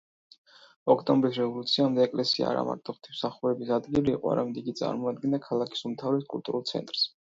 ოქტომბრის რევოლუციამდე ეკლესია არამარტო ღვთისმსახურების ადგილი იყო, არამედ იგი წარმოადგენდა ქალაქის უმთავრეს კულტურულ ცენტრს.